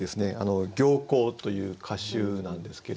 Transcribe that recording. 「曉紅」という歌集なんですけども。